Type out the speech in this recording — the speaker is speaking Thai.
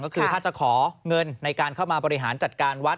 ก็คือถ้าจะขอเงินในการเข้ามาบริหารจัดการวัด